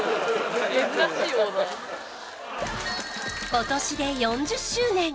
今年で４０周年